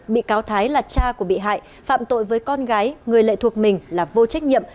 bị cáo thái là cha của bị hại phạm tội với con gái người lệ thuộc mình là vô trách nhiệm